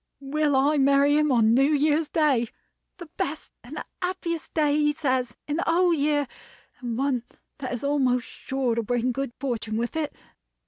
will I marry him on New Year's Day; the best and happiest day, he says, in the whole year, and one that is almost sure to bring good fortune with it.